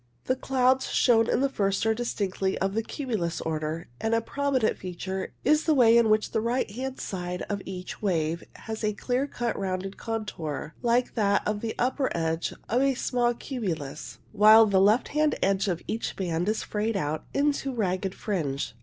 The clouds shown in the first are distinctly of the cumulus order, and a prominent feature is the way in which the right hand side of each wave has a clear cut rounded contour like that of the upper edge of a small cumulus, while the left hand edge of each band is frayed out into a ragged fringe.